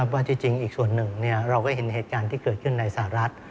ว่าที่จริงอีกส่วนหนึ่งเราก็เห็นเหตุการณ์ที่เกิดขึ้นในสหรัฐ